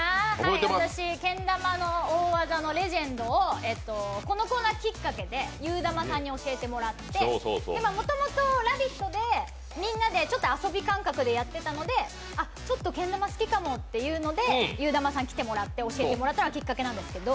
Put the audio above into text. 私、けん玉の大技のレジェンドをこのコーナーきっかけでゆーだまさんに教えてもらって、もともと「ラヴィット！」でみんなで遊び感覚でやってたので、あっ、ちょっとけん玉好きかもというので、ゆーだまさん来てもらって教えてもらったのがきっかけなんですけど。